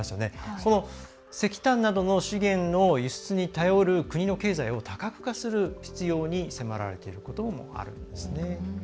この石炭などの資源を輸出に頼る国の経済を多角化する必要に迫られていることもあるんですね。